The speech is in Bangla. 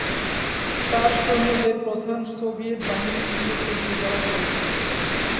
তার সৈন্যদের প্রধান সোভিয়েত বাহিনী থেকে সরিয়ে দেওয়া হয়েছিল।